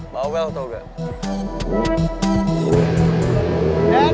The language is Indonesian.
mau ke auto gak